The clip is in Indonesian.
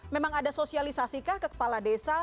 memang ada sosialisasikah ke kepala desa